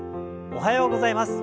おはようございます。